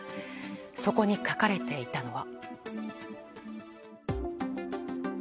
そこに書かれていたのは。